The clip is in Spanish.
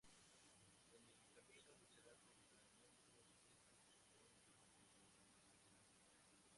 En el camino luchará contra monstruos, bestias y malvados guerreros para lograr su cometido.